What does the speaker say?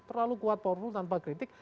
terlalu kuat polri tanpa kritik